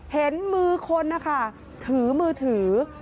เห็นมือคนถือมือถือ